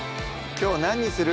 きょう何にする？